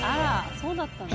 そうだったんだ。